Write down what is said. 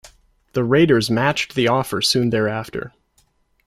The Raiders matched the offer soon thereafter.